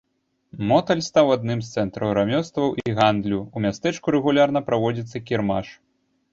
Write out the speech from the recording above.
Моталь стаў адным з цэнтраў рамёстваў і гандлю, у мястэчку рэгулярна праводзіцца кірмаш.